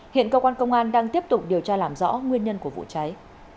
hiện cơ quan công an đang tiếp tục điều tra làm rõ nguyên nhân của vụ cháy